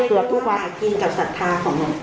เขาอยู่รอบหากินกับศรัทธาของหลวงปู่